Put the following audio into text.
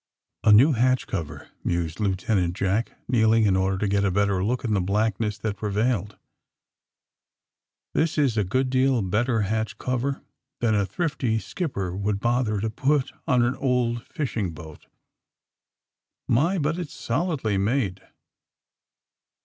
^^A new hatch cover," mused Lieutenant Jack, kneeling in order to get a better look in the blackness that prevailed. *^This is a good deal better hatch cover than a thrifty skipper would bother to put on an old fishing boat. My ! but it's solidly made.